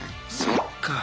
そっか。